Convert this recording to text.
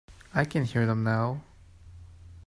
I can hear them now.